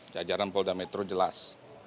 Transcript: jajaran polda metro jelas